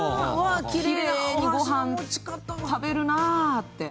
きれいにごはん食べるなあって。